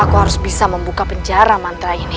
aku harus bisa membuka penjara mantra ini